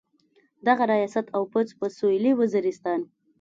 دغه ریاست او فوځ په سویلي وزیرستان.